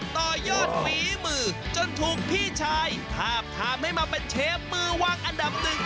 ต่อยอดฝีมือจนถูกพี่ชายทาบทามให้มาเป็นเชฟมือวางอันดับหนึ่ง